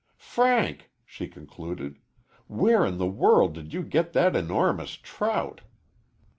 "Frank!" she concluded, "where in the world did you get that enormous trout?"